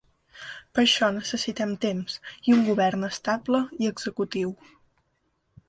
Per això necessitem temps, i un govern estable i executiu.